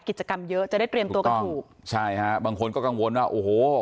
กิจกรรมเยอะจะได้เตรียมตัวกันถูกใช่ฮะบางคนก็กังวลว่าโอ้โห